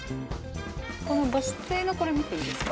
このバス停のこれ見ていいですか？